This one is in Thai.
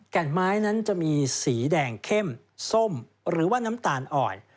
นไม้นั้นจะมีสีแดงเข้มส้มหรือว่าน้ำตาลอ่อน